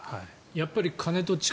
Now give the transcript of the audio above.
やっぱり金と力。